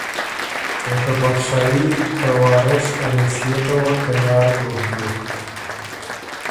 او ته بادشاهي ته وارث په حېثئته وه تیار دوک بیوک